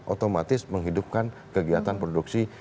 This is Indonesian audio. otomatis menghidupkan kegiatan produksi